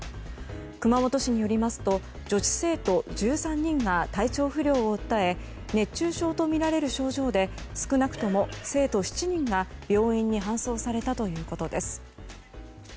熊本市によりますと女子生徒１３人が体調不良を訴え熱中症とみられる症状で少なくとも生徒７人が病院に搬送されたということです。